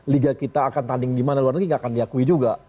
liga kita akan tanding di mana luar negeri tidak akan diakui juga